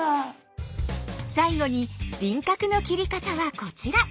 最後に輪郭の切り方はこちら。